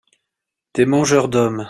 des mangeurs d'hommes.